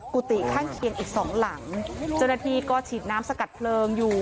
กุฏิข้างเคียงอีกสองหลังเจ้าหน้าที่ก็ฉีดน้ำสกัดเพลิงอยู่